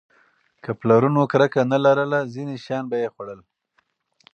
که پلرونه کرکه نه لرله، ځینې شیان به یې خوړل.